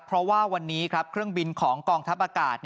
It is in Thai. เพราะว่าวันนี้ครับเครื่องบินของกองทัพอากาศ